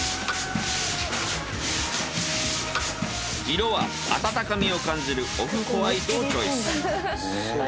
色は温かみを感じるオフホワイトをチョイス。